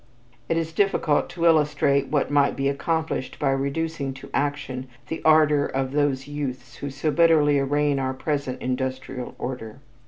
It is difficult to illustrate what might be accomplished by reducing to action the ardor of those youths who so bitterly arraign our present industrial order.